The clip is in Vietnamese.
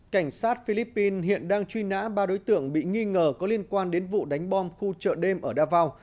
cảnh sát philippines hiện đang truy nã ba đối tượng bị nghi ngờ có liên quan đến vụ đánh bom khu chợ đêm ở davao